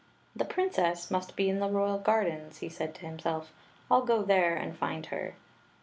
"The princess must be in the royal gardens," he said to himself. "I '11 go there and find her."